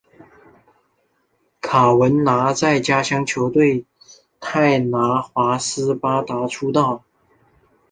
卡文拿在家乡球队泰拿华斯巴达出道。